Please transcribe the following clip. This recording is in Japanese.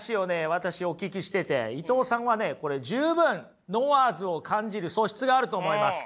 私お聞きしてて伊藤さんはねこれ十分ノワーズを感じる素質があると思います。